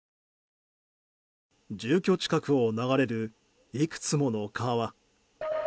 住居近くを流れるいくつもの川。